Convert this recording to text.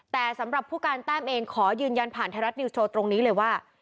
แต่สำหรับผู้การแต้มเองขอยืนยันผ่านไทยรัฐนิวสโชว์ตรงนี้เลยว่า